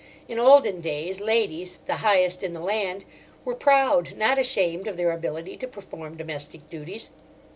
In olden days, ladies—the highest in the land—were proud, not ashamed, of their ability to perform domestic duties.